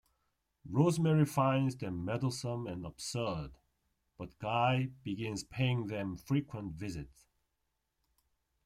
Rosemary finds them meddlesome and absurd, but Guy begins paying them frequent visits.